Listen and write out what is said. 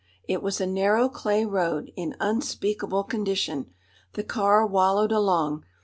It was a narrow clay road in unspeakable condition. The car wallowed along.